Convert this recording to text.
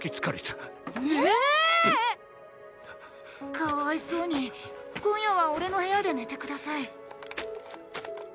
かわいそうに今夜は俺の部屋で寝て下さい。